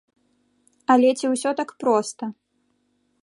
Але ці ўсё так проста?